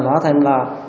nói thêm là